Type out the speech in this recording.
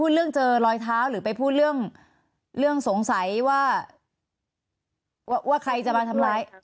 เรื่องเจอรอยเท้าหรือไปพูดเรื่องเรื่องสงสัยว่าว่าใครจะมาทำร้าย